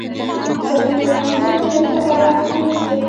زردالو د افغانستان د امنیت په اړه هم اغېز لري.